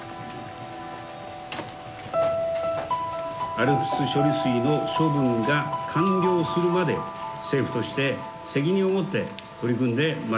ＡＬＰＳ処理水の処分が完了するまで政府として責任を持って取り組んでまいります。